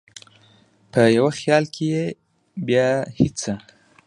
په یو خیال کې یا بې هېڅه،